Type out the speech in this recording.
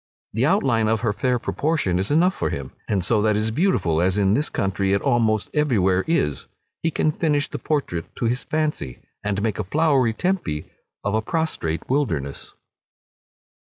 The outline of her fair proportions is enough for him; and so that is beautiful, as in this country it almost every where is, he can finish the portrait to his fancy, and make a flowery Tempe of a prostrate wilderness.